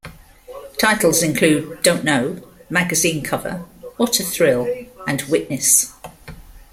Titles include "Don't Know," "Magazine Cover," "What a Thrill" and "Witness".